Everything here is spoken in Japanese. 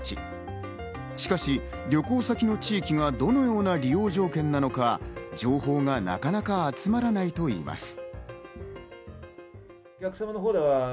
しかし、旅行先の地域がどのような利用条件なのか情報がなかなか集まらないといいます。